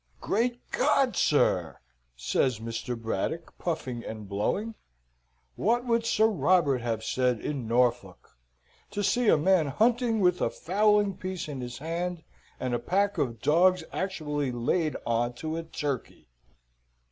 "Great God, sir!" says Mr. Braddock, puffing and blowing, "what would Sir Robert have said in Norfolk, to see a man hunting with a fowling piece in his hand, and a pack of dogs actually laid on to a turkey!"